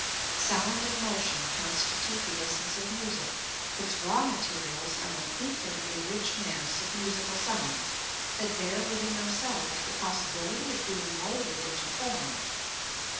Sound and motion constitute the essence of music. Its raw materials are an infinitely rich mass of musical sounds that bear within themselves the possibility of being molded into form.